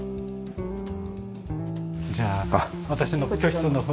じゃあ私の居室の方に。